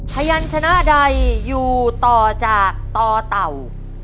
พยานชนะใดอยู่ต่อจากต่อเต่า